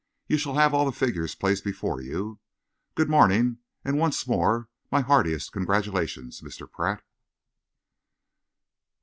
"You shall have all the figures placed before you. Good morning, and once more my heartiest congratulations, Mr. Pratt."